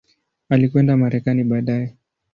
Alikwenda Marekani baadaye.